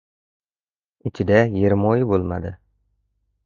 Ichida yermoyi bo‘lmadi.